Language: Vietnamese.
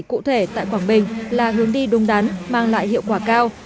cụ thể tại quảng bình là hướng đi đúng đắn mang lại hiệu quả cao